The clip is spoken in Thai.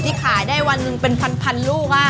ขายได้วันหนึ่งเป็นพันลูก